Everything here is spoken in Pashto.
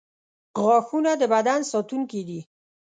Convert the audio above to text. • غاښونه د بدن ساتونکي دي.